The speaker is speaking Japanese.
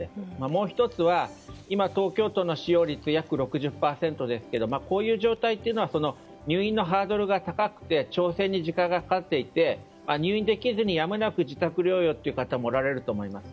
もう１つは今、東京都の使用率が約６０％ですがこういう状態というのは入院のハードルが高くて調整に時間がかかっていて入院できずにやむなく自宅療養という方もおられると思います。